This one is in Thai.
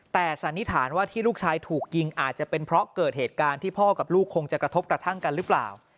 แต่สันนิษฐานว่าที่ลูกชายถูกยิงอาจจะเป็นเพราะเกิดเหตุการณ์ที่พ่อกับลูกคงจะกระทบกระทั่งกันหรือเปล่า